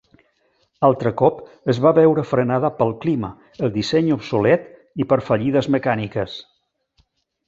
Altre cop, es va veure frenada pel clima, el disseny obsolet, i per fallides mecàniques.